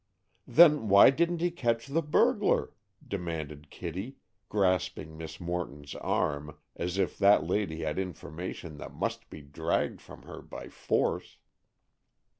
"Then, why didn't he catch the burglar?" demanded Kitty, grasping Miss Morton's arm, as if that lady had information that must be dragged from her by force.